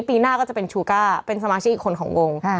ปีหน้าก็จะเป็นชูก้าเป็นสมาชิกอีกคนของวง